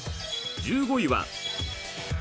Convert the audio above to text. １５位は。